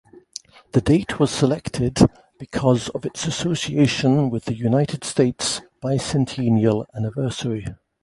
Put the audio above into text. The date was selected because of its association with the United States' bicentennial anniversary.